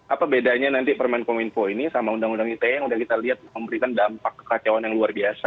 apa bedanya nanti permen kominfo ini sama undang undang ite yang sudah kita lihat memberikan dampak kekacauan yang luar biasa